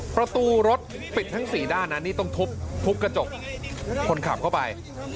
ประตูรถปิดทั้งสี่ด้านนะนี่ต้องทุบกระจกคนขับเข้าไป